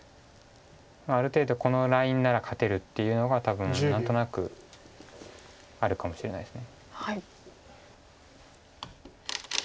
ある程度このラインなら勝てるっていうのが多分何となくあるかもしれないです。